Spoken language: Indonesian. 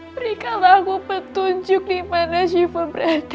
berikanlah aku petunjuk di mana syifa berada